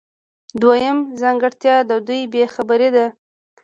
دویمه ځانګړتیا د دوی بې خبري ده.